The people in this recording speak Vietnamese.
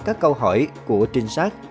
các câu hỏi của trinh sát